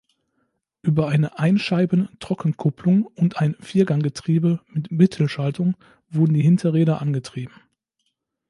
Über eine Einscheiben-Trockenkupplung und ein Vierganggetriebe mit Mittelschaltung wurden die Hinterräder angetrieben.